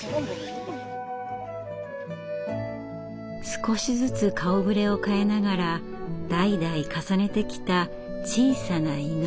少しずつ顔ぶれを変えながら代々重ねてきた小さな祈り。